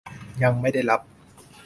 ยังไม่ได้รับ